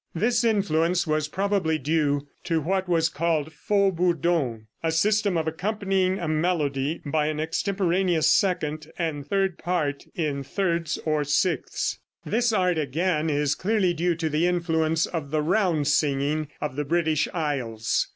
This influence was probably due to what was called "Faux Bourdon," a system of accompanying a melody by an extemporaneous second and third part in thirds or sixths. This art, again, is clearly due to the influence of the round singing of the British isles.